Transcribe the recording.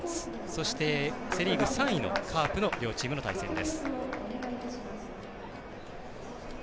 そして、セ・リーグ３位のカープの両チームの対戦です。